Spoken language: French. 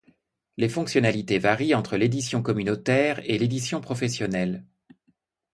Les fonctionnalités varient entre l'édition communautaire et l'édition professionnelle.